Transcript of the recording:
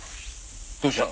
どうした？